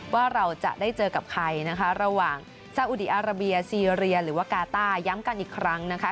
ว่าเราจะได้เจอกับใครนะคะระหว่างซาอุดีอาราเบียซีเรียหรือว่ากาต้าย้ำกันอีกครั้งนะคะ